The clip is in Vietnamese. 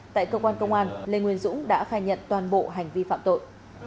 tại cơ quan công an lê nguyên dũng đã khai nhận toàn bộ hành vi phạm tội